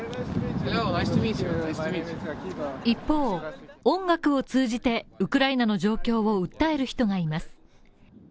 一方、音楽を通じてウクライナの状況を訴える人がいます。